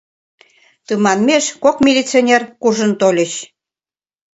Тыманмеш кок милиционер куржын тольыч.